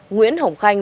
nguyễn hồng khanh